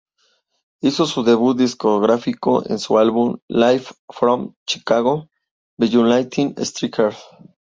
Hizo su debut discográfico en su álbum "Live from Chicago—Bayou Lightning Strikes.